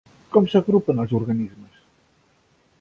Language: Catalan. Com s'agrupen els organismes?